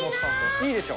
いいでしょ。